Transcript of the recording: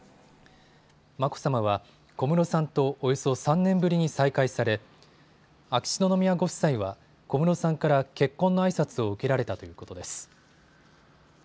眞子さまは小室さんとおよそ３年ぶりに再会され秋篠宮ご夫妻は小室さんから結婚のあいさつを受けられたということです。